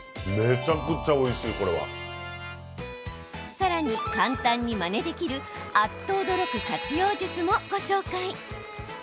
さらに、簡単にまねできるあっと驚く活用術もご紹介。